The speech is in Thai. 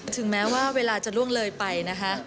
ถึงแม้ว่าเวลาจะล่วงเลยไปนะคะ